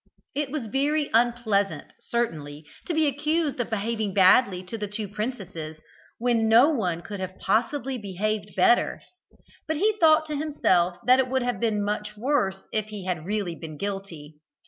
It was very unpleasant, certainly, to be accused of behaving badly to the two princesses, when no one could have possibly behaved better; but he thought to himself that it would have been much worse if he had really been guilty.